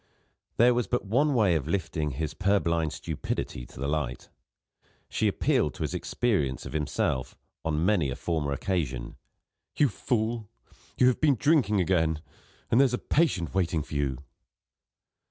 There was but one way of lifting his purblind stupidity to the light. She appealed to his experience of himself, on many a former occasion: "You fool, you have been drinking again and there's a patient waiting for you."